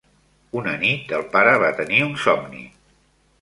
Una nit, el pare va tenir un somni.